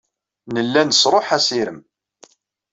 Nella nesṛuḥ assirem.